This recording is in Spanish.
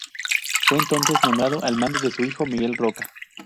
Fue entonces nombrado al mando su hijo, Miguel Roca.